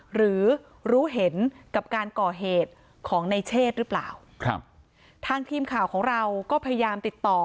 หรือรู้เห็นกับการก่อเหตุของในเชศหรือเปล่าครับทางทีมข่าวของเราก็พยายามติดต่อ